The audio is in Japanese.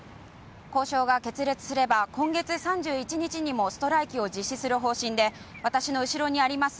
交渉が決裂すれば今月３１日にもストライキを実施する方針で私の後ろにあります